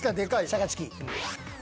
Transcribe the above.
シャカチキ。